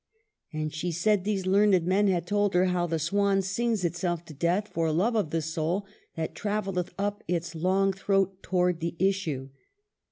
And she said these learned men had told her how the swan sings itself to death for love of the soul that travaileth up its long throat towards the issue.